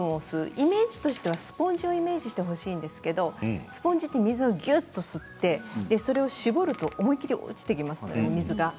イメージとしてはスポンジをイメージしてほしいんですけどスポンジって水をぎゅっと吸ってそれを絞ると思い切り落ちてきますねお水が。